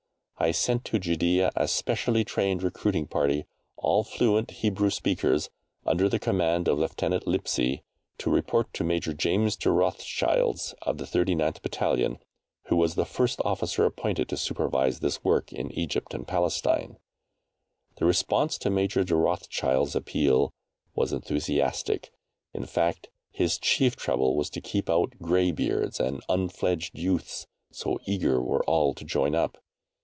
I sent to Judæa a specially trained recruiting party, all fluent Hebrew speakers, under the command of Lieutenant Lipsey, to report to Major James de Rothschild of the 39th Battalion, who was the officer appointed to supervise this work in Egypt and Palestine. The response to Major de Rothschild's appeal was enthusiastic in fact his chief trouble was to keep out grey beards and unfledged youths, so eager were all to join up.